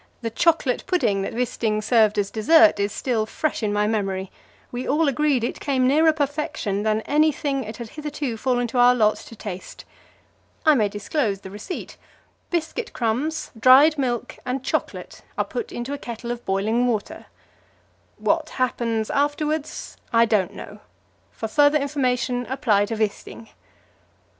The "chocolate pudding" that Wisting served as dessert is still fresh in my memory; we all agreed that it came nearer perfection than anything it had hitherto fallen to our lot to taste. I may disclose the receipt: biscuit crumbs, dried milk and chocolate are put into a kettle of boiling water. What happens afterwards, I don't know; for further information apply to Wisting.